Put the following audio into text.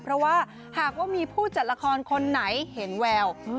เพราะว่าหากว่ามีผู้จัดละครคนไหนเห็นแวว